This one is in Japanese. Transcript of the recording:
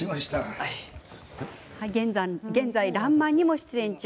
現在、「らんまん」にも出演中。